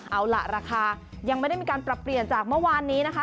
เอาล่ะราคายังไม่ได้มีการปรับเปลี่ยนจากเมื่อวานนี้นะคะ